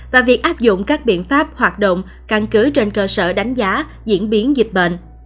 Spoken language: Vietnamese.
và việc áp dụng các biện pháp hoạt động căn cứ trên cơ sở đánh giá diễn biến dịch bệnh